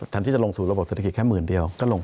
ที่จะลงสู่ระบบเศรษฐกิจแค่หมื่นเดียวก็ลง